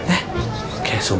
eh kayak sugar